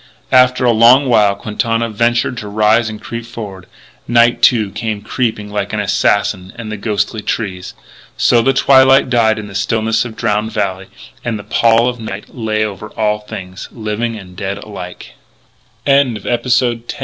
After a long while Quintana ventured to rise and creep forward. Night, too, came creeping like an assassin amid the ghostly trees. So twilight died in the stillness of Drowned Valley and the pall of night lay over all things, living and de